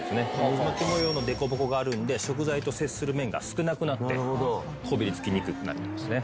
渦巻き模様の凸凹があるんで食材と接する面が少なくなってこびりつきにくくなってますね。